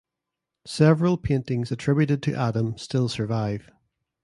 Several paintings attributed to Adam still survive.